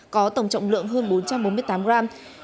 có tổng trọng lượng hơn bốn trăm bốn mươi tám gram